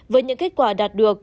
với những kết quả đạt được